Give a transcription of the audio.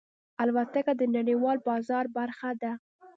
الوتکه د نړیوال بازار برخه ده.